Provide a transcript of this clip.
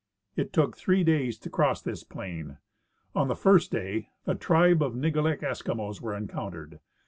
It took three days to cross this plain. On the first day a tribe of Nigalek Eskimos were encountered.